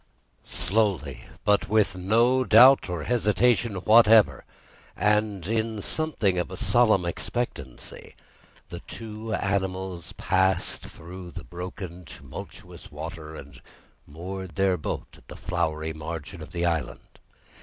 Slowly, but with no doubt or hesitation whatever, and in something of a solemn expectancy, the two animals passed through the broken tumultuous water and moored their boat at the flowery margin of the island.